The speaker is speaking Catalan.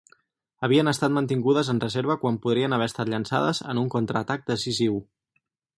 Havien estat mantingudes en reserva quan podrien haver estat llançades en un contraatac decisiu.